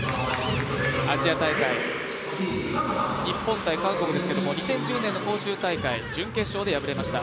アジア大会、日本×韓国ですが２０１０年の広州大会準決勝で敗れました。